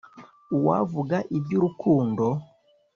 uwavuga iby’urukundo